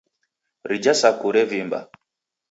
Rija saku revimba.